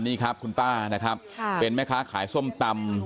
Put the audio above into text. นี่ครับคุณป้านะครับเป็นแม่ค้าขายส้มตำ